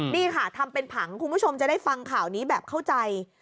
นี่ค่ะทำเป็นผังคุณผู้ชมจะได้ฟังข่าวนี้แบบเข้าใจ